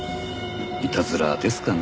いたずらですかね？